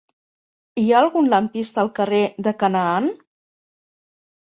Hi ha algun lampista al carrer de Canaan?